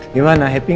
mau main tuh mau main